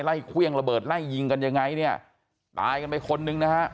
เครื่องระเบิดไล่ยิงกันยังไงเนี่ยตายกันไปคนนึงนะฮะ